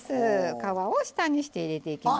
皮を下にして入れていきますよ。